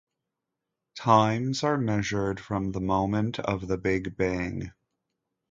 Times are measured from the moment of the Big Bang.